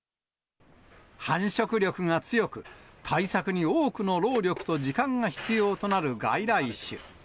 繁殖力が強く、対策に多くの労力と時間が必要となる外来種。